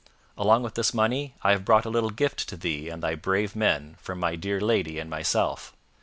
Along with this money I have brought a little gift to thee and thy brave men from my dear lady and myself."